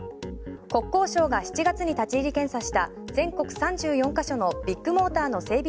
国交省が７月に立ち入り検査した全国３４か所のビッグモーターの整備